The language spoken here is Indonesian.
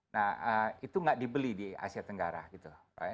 nah itu nggak dibeli di asia tenggara gitu